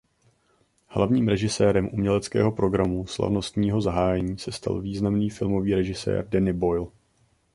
Hlavním režisérem uměleckého programu slavnostního zahájení se stal významný filmový režisér Danny Boyle.